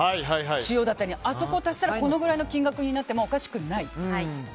塩だったり、あそこを足したらこのぐらいの金額になってもおかしくない！